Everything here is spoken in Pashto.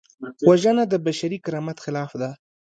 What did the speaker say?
وژنه د بشري کرامت خلاف ده